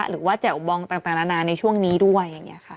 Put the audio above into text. หรือว่าแจ๋วบองต่างนานในช่วงนี้ด้วย